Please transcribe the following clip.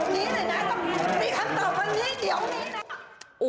ดูเดี๋ยวนี้เลยนะต้องมีคำตอบวันนี้เดี๋ยวนี้นะ